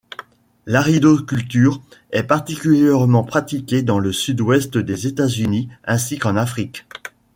L'aridoculture est particulièrement pratiquée dans le sud-ouest des États-Unis ainsi qu'en Afrique.